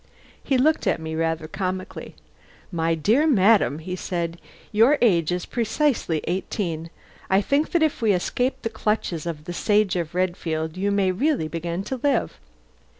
He looked at me rather comically. "My dear madam," he said, "your age is precisely eighteen. I think that if we escape the clutches of the Sage of Redfield you may really begin to live."